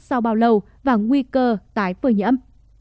sau bao lâu và nguy cơ tái phơi nhiễm